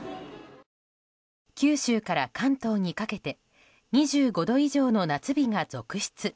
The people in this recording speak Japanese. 九州から関東にかけて２５度以上の夏日が続出。